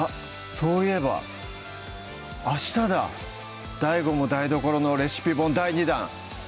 そういえば明日だＤＡＩＧＯも台所のレシピ本第２弾